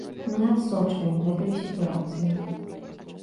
Мы адсочваем гэтую сітуацыю.